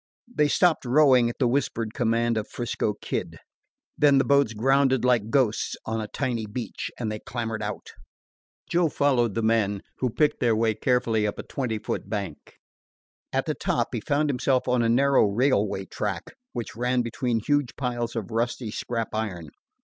He stopped rowing at the whispered command of 'Frisco Kid. Then the boats grounded like ghosts on a tiny beach, and they clambered out. Joe followed the men, who picked their way carefully up a twenty foot bank. At the top he found himself on a narrow railway track which ran between huge piles of rusty scrap iron.